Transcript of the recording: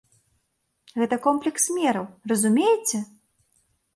Гэта комплекс мераў, разумееце?